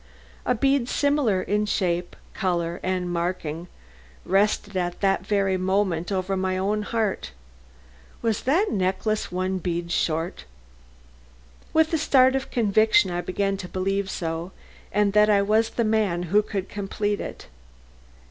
A bead similar in shape, color and marking rested at that very moment over my own heart. Was that necklace one bead short? With a start of conviction I began to believe so and that I was the man who could complete it.